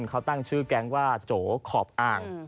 เขาตั้งชื่อแก๊งว่าโจขอบอ่าง